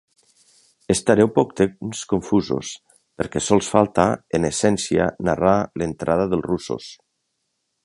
Estareu poc temps confusos, perquè sols falta, en essència, narrar l'entrada dels russos.